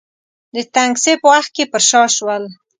د تنګسې په وخت کې پر شا شول.